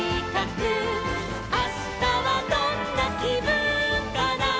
「あしたはどんなきぶんかな」